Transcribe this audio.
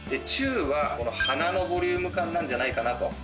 中は鼻のボリューム感なんじゃないかなと。